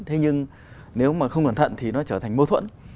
thế nhưng nếu mà không cẩn thận thì nó trở thành mâu thuẫn